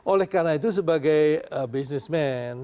oleh karena itu sebagai businessment